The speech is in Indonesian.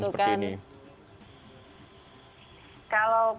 kalau perbedaannya sih kalau untuk